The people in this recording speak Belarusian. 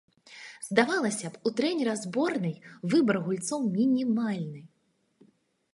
Здавалася б, у трэнера зборнай выбар гульцоў мінімальны.